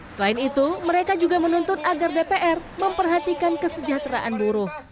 selain itu mereka juga menuntut agar dpr memperhatikan kesejahteraan buruh